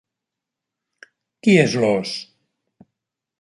Qui es l'ós?